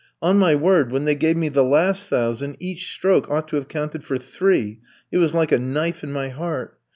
On my word, when they gave me the last thousand each stroke ought to have counted for three, it was like a knife in my heart.